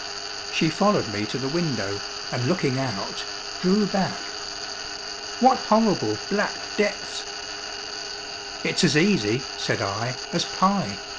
She followed me to the window and looking out, drew back. "What horrible, black depths!" "It's as easy," said I, "as pie.